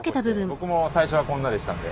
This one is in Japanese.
僕も最初はこんなでしたんで。